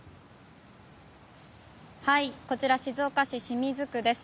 こちら静岡市清水区です。